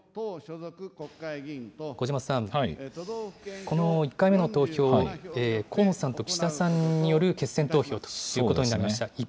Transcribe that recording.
小嶋さん、この１回目の投票、河野さんと岸田さんによる決選投票ということになりました。